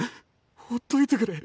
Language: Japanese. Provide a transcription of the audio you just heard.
ほっといてくれ。